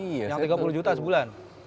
yang tiga puluh juta sebulan